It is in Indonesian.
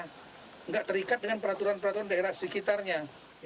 tidak terikat dengan peraturan peraturan daerah sekitarnya